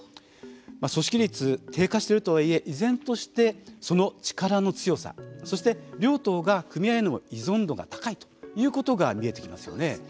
組織率低下しているとはいえ依然としてその力の強さそして両党が組合の依存度が高いということが見えてきますよね。